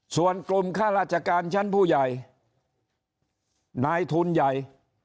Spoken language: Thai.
ส่วนกลุ่มข้าราชการชั้นผู้ใหญ่นายทุนใหญ่